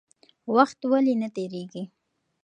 وخت ولې نه تېرېږي؟